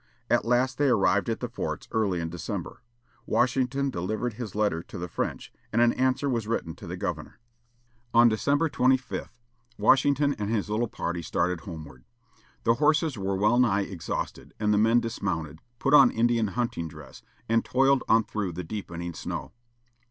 At last they arrived at the forts, early in December. Washington delivered his letter to the French, and an answer was written to the governor. On December 25, Washington and his little party started homeward. The horses were well nigh exhausted, and the men dismounted, put on Indian hunting dress, and toiled on through the deepening snow.